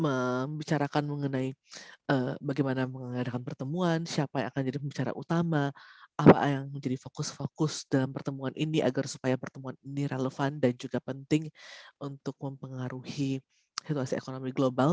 membicarakan mengenai bagaimana mengadakan pertemuan siapa yang akan jadi pembicara utama apa yang menjadi fokus fokus dalam pertemuan ini agar supaya pertemuan ini relevan dan juga penting untuk mempengaruhi situasi ekonomi global